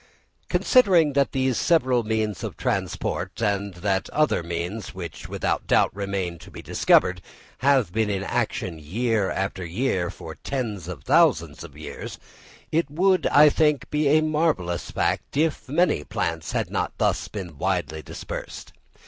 Considering that these several means of transport, and that other means, which without doubt remain to be discovered, have been in action year after year for tens of thousands of years, it would, I think, be a marvellous fact if many plants had not thus become widely transported.